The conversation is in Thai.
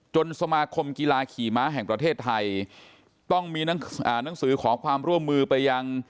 สมาคมกีฬาขี่ม้าแห่งประเทศไทยต้องมีหนังสือขอความร่วมมือไปยัง